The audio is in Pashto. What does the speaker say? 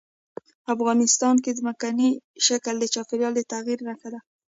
افغانستان کې ځمکنی شکل د چاپېریال د تغیر نښه ده.